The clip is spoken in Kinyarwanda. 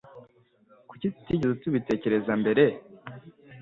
Kuki tutigeze tubitekereza mbere